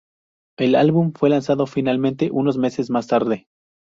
El álbum fue lanzado finalmente unos meses más tarde.